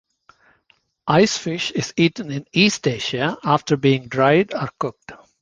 Icefish is eaten in East Asia after being dried or cooked.